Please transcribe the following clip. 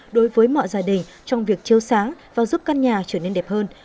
đối với mọi gia đình trong việc chiêu sáng và giúp căn nhà trở nên đẹp hơn